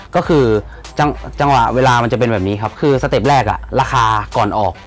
ก็คือจังหวะเวลามันจะเป็นแบบนี้ครับคือสเต็ปแรกราคาก่อนออก